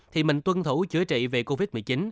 thì mình tuân thủ chữa trị về covid một mươi chín